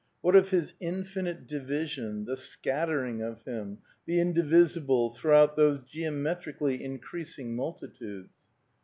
What of his infinite division, tibe scattering of him, the indivisible, throughout those geometrically increasing multitudes